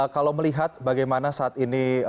kalau melihat bagaimana saat ini